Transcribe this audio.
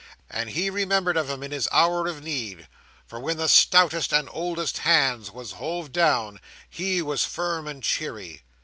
—and he remembered of 'em in his hour of need; for when the stoutest and oldest hands was hove down, he was firm and cheery.